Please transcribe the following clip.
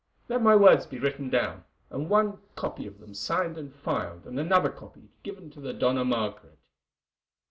Let my words be written down, and one copy of them signed and filed and another copy given to the Dona Margaret."